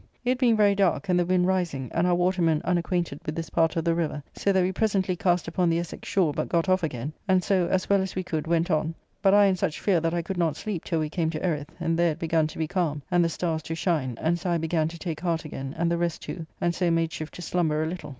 It being very dark, and the wind rising, and our waterman unacquainted with this part of the river, so that we presently cast upon the Essex shore, but got off again, and so, as well as we could, went on, but I in such fear that I could not sleep till we came to Erith, and there it begun to be calm, and the stars to shine, and so I began to take heart again, and the rest too, and so made shift to slumber a little.